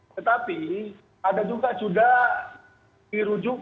tetapi ada juga sudah dirujuk